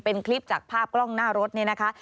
เป็นคลิปจากภาพกล้องหน้ารถเนี่ยนะคะ